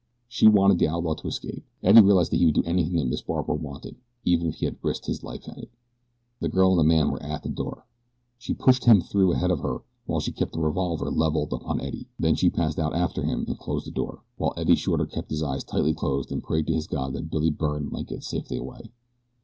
She wanted the outlaw to escape. Eddie realized that he would do anything that Miss Barbara wanted, even if he had to risk his life at it. The girl and the man were at the door. She pushed him through ahead of her while she kept the revolver leveled upon Eddie, then she passed out after him and closed the door, while Eddie Shorter kept his eyes tightly closed and prayed to his God that Billy Byrne might get safely away.